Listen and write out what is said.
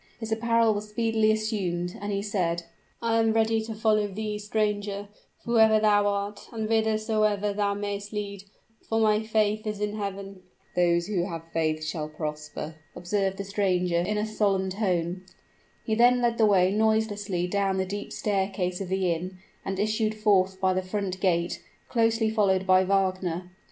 His apparel was speedily assumed; and he said, "I am ready to follow thee, stranger, whoever thou art, and whithersoever thou mayst lead; for my faith is in Heaven." "Those who have faith shall prosper," observed the stranger, in a solemn tone. He then led the way noiselessly down the steep staircase of the inn, and issued forth by the front gate, closely followed by Wagner.